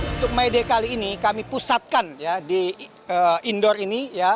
untuk may day kali ini kami pusatkan ya di indoor ini